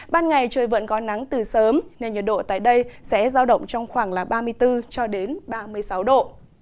ban ngày trời vẫn có nắng từ sớm nên nhiệt độ tại đây sẽ giao động trong khoảng ba mươi bốn cho đến ba mươi sáu độ